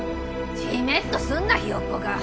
ジメっとすんなひよっこが！